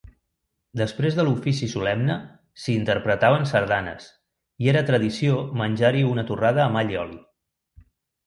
Després de l'ofici solemne s'hi interpretaven sardanes i era tradició menjar-hi una torrada amb allioli.